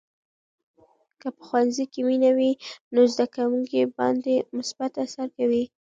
که په ښوونځي کې مینه وي، نو زده کوونکي باندې مثبت اثر کوي.